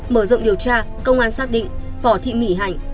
mở rộng điều tra công an xác định võ thị mỹ hạnh